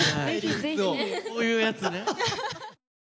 こういうやつね。